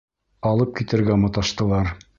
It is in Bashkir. Алып китергә маташтылар.